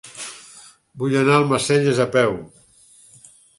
Vull anar a Almacelles a peu.